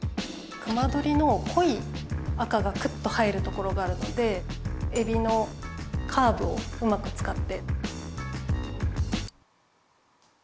隈取りの濃い赤がクッと入るところがあるのでエビのカーブをうまくつかって。